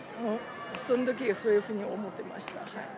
その時はそういうふうに思っていました。